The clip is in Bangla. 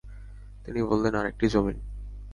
তিনি বললেনঃ আরেকটি যমীন।